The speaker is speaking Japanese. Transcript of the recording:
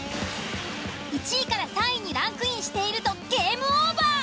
１位３位にランクインしているとゲームオーバー。